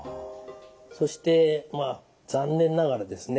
そして残念ながらですね